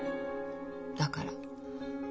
だから。